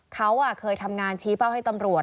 เขาเคยทำงานชี้เป้าให้ตำรวจ